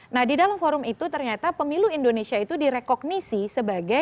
nah di dalam forum itu ternyata pemilu indonesia itu direkognisi sebagai